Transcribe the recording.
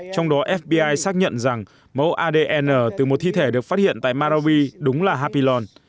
trong đó fbi xác nhận rằng mẫu adn từ một thi thể được phát hiện tại marabi đúng là hapion